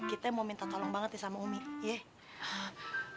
umi kita mau minta tolong banget sama umi ya